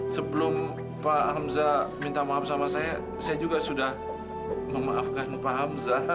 sebelum pak hamzah minta maaf sama saya saya juga sudah memaafkan pak hamzah